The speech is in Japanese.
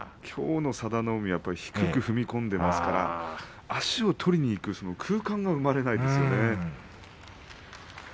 きょうの佐田の海は低く踏み込んでいますから足を取りにいくその空間が生まれませんね。